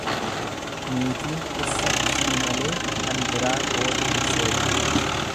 Niitiin dhirsa ishii malee kan biraa goota hin seetu.